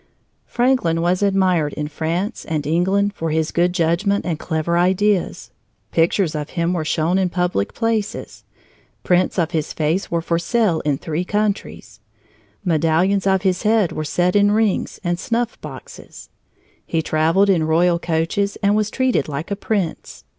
Franklin was admired in France and England for his good judgment and clever ideas. Pictures of him were shown in public places; prints of his face were for sale in three countries; medallions of his head were set in rings and snuff boxes; he traveled in royal coaches, and was treated like a prince.